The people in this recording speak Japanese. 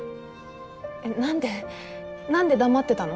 えっ何で何で黙ってたの？